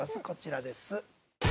こちらです。